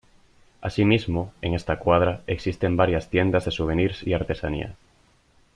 Asimismo, en esta cuadra existen varias tiendas de souvenirs y artesanías.